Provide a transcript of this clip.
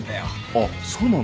あっそうなの？